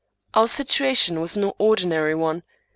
Our situation was no ordinary one.